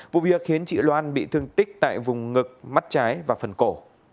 vụ việc khiến chị loan bị thương tích tại vùng ngực trái và phần cổ